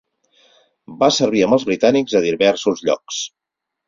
Va servir amb els britànics a diversos llocs.